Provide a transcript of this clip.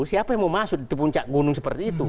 siapa yang mau masuk di puncak gunung seperti itu